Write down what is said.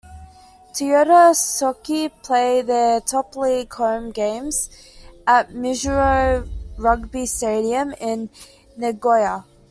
Toyota Shokki play their Top League home games at Mizuho Rugby Stadium in Nagoya.